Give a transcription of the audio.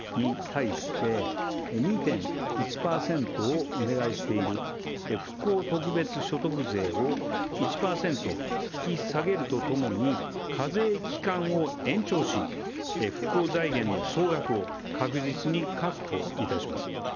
具体的にはまず所得税額に対して２．１％をお願いしている復興特別所得税を１％引き下げると共に課税期間を延長し復興財源の総額を確実に確保いたします。